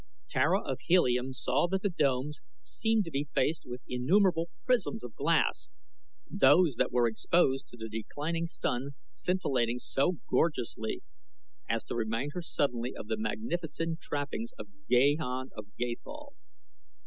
Tara of Helium saw that the domes seemed to be faced with innumerable prisms of glass, those that were exposed to the declining sun scintillating so gorgeously as to remind her suddenly of the magnificent trappings of Gahan of Gathol.